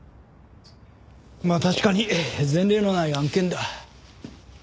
まあ確かに前例のない案件だ。